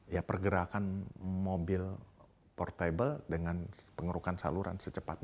ya pergerakan mobil portable dengan pengerukan saluran secepatnya